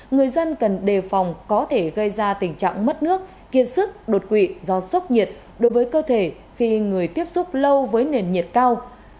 người dân cần đề phòng có thể gây ra tình trạng mất nước kiên sức đột quỵ do sốc nhiệt đối với cơ thể khi người tiếp xúc lâu với nền nhiệt cao